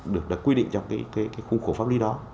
được đã quy định trong cái khung khổ pháp lý đó